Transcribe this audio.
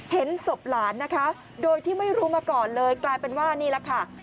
เห็นศพหลานนะคะโดยที่ไม่รู้มาก่อนเลยกลายเป็นว่านี่แหละค่ะ